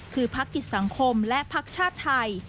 คือพักกิจสังคมและพักชาติไทย